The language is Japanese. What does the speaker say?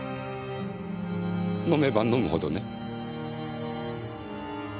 飲めば飲むほどね。